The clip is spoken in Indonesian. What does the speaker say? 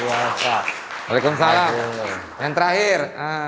waalaikumsalam yang terakhir